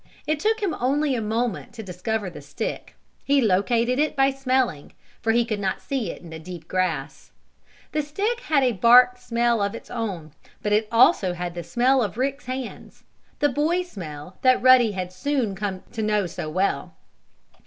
It took him only a moment to discover the stick. He located it by smelling, for he could not see it in the deep grass. The stick had a bark smell of its own, but it also had the smell of Rick's hands the boy smell that Ruddy had soon come to know so well.